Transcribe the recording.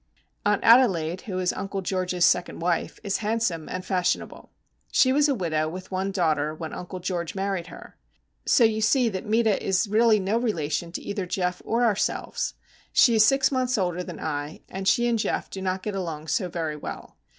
Aunt Adelaide, who is Uncle George's second wife, is handsome and fashionable. She was a widow with one daughter when Uncle George married her. So you see that Meta is really no relation to either Geof or ourselves. She is six months older than I, and she and Geof do not get along so very well.